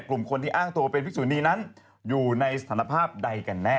กลุ่มคนที่อ้างตัวเป็นพิสุนีนั้นอยู่ในสถานภาพใดกันแน่